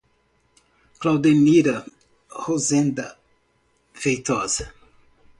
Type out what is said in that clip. Claudenira Rozenda Feitosa